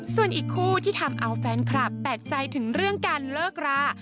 ส่วนอีกคู่ที่ทำเอาแฟนคลับแปลกใจถึงเรื่องการเลิกรา